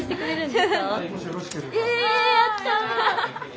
えっやった！